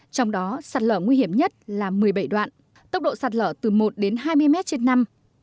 trong đó sạt lở nguy hiểm nhất là một mươi bảy đoạn tốc độ sạt lở từ một đến hai mươi mét trên năm